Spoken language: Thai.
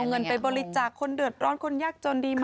เงินไปบริจาคคนเดือดร้อนคนยากจนดีไหม